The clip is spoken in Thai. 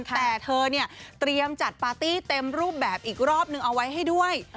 แต่เธอเนี่ยเตรียมจัดปาร์ตี้เต็มรูปแบบอีกรอบนึงเอาไว้ให้ด้วย